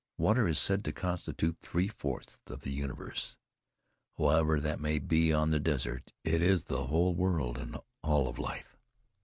Water is said to constitute three fourths of the universe. However that may be, on the desert it is the whole world, and all of life.